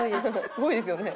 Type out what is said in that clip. すごいですよね。